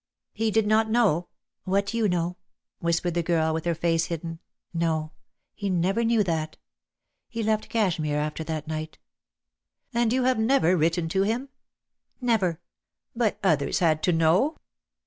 "He did not know " "What you know," whispered the girl, with her face hidden. "No, he never knew that. He left Cashmere after that night." "And you have never written to him?" "Never." "But others had to know."